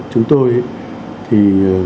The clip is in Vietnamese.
chúng tôi thì